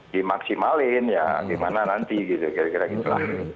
dimaksimalin ya gimana nanti gitu kira kira gitu lah